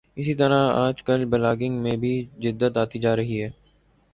اسی طرح آج کل بلاگنگ میں بھی جدت آتی جارہی ہے